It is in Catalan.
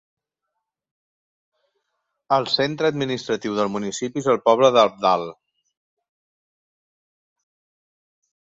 El centre administratiu del municipi és el poble d'Alvdal.